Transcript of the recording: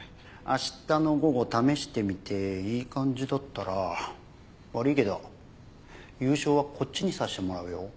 明日の午後試してみていい感じだったら悪いけど優勝はこっちにさせてもらうよ。